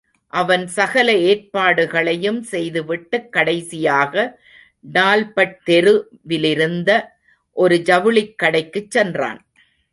அவன் சகல ஏற்பாடுகளையும் செய்து விட்டுக் கடைசியாக டால்பட் தெரு விலிருந்த ஒரு ஜவுளிக் கடைக்குச் சென்றான்.